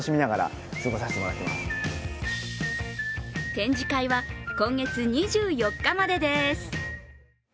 展示会は今月２４日までです。